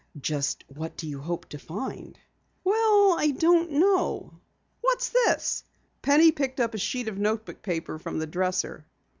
"Just what do you hope to find?" "Well, I don't know. What's this?" Penny picked up a sheet of notebook paper from the dresser.